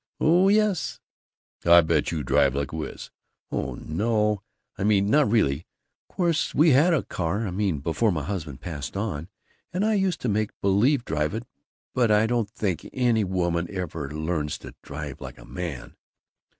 "Oh, yes!" "I bet you drive like a wiz." "Oh, no I mean not really. Of course, we had a car I mean, before my husband passed on and I used to make believe drive it, but I don't think any woman ever learns to drive like a man."